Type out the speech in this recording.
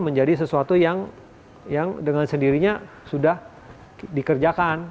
menjadi sesuatu yang dengan sendirinya sudah dikerjakan